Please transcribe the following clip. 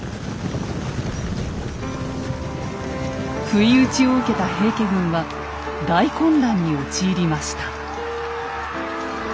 不意打ちを受けた平家軍は大混乱に陥りました。